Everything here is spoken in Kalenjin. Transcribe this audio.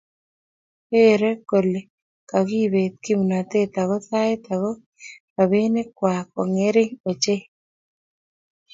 geerei kole kagibeet kimnatet ako sait ago robinikwai kongering ochei